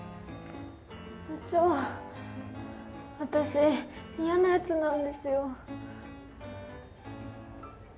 部長私嫌なヤツなんですよ。